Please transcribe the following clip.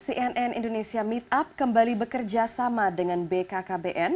cnn indonesia meetup kembali bekerja sama dengan bkkbn